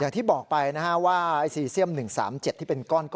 อย่างที่บอกไปว่าซีเซียม๑๓๗ที่เป็นก้อน